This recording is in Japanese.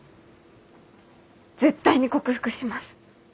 絶対に克服します。